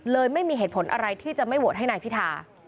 ไม่มีเหตุผลอะไรที่จะไม่โหวตให้นายพิธา